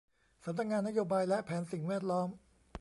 สำนักงานนโยบายและแผนสิ่งแวดล้อม